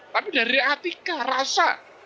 tapi dari etika rasa